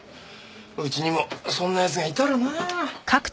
うちにもそんな奴がいたらなあ。